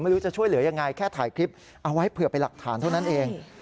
ไม่รู้จะช่วยเหลือยังไงแค่ถ่ายคลิปเอาไว้เผื่อเป็นหลักฐานเท่านั้นเอง